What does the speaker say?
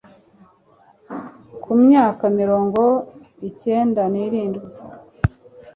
ku myaka mirongo ikenda ni irindwi